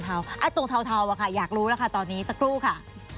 ตรงเทาอะค่ะอยากรู้แล้วค่ะตอนนี้สักครู่ค่ะ